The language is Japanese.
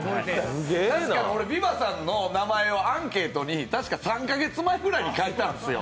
ビバさんの名前をアンケートに確か３か月前ぐらいに書いたんですよ。